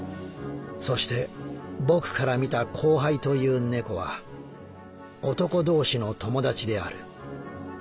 「そして僕から見たコウハイという猫は男同士のともだちである。